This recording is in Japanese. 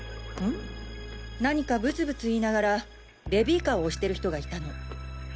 何かブツブツ言いながらベビーカーを押してる人がいたの。